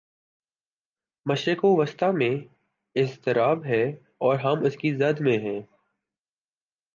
مشرق وسطی میں اضطراب ہے اور ہم اس کی زد میں ہیں۔